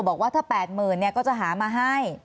บอกว่าถ้า๘๐๐๐ก็จะหามาให้